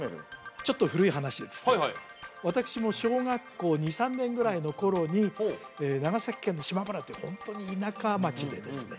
ちょっと古い話ですけど私も小学校２３年ぐらいの頃に長崎県の島原というホントに田舎町でですね